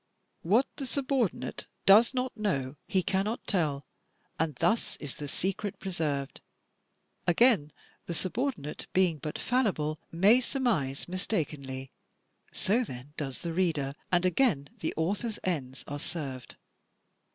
What the subordinate does not know he can not tell, and thus is the secret preserved. Again, the subordinate being but fallible, may surmise mistakenly. So then does the reader, and again the author's ends are served.